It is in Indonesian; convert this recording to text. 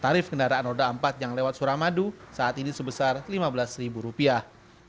tarif kendaraan roda empat yang lewat suramadu saat ini sebesar lima belas ribu rupiah